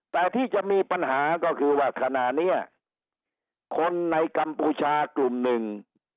แต่ที่จะมีปัญหาก็คือว่าขณะนี้คนในกัมพูชากลุ่มหนึ่ง